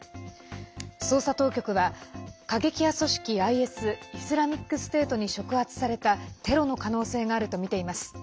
捜査当局は過激派組織ＩＳ＝イスラミックステートに触発されたテロの可能性があるとみています。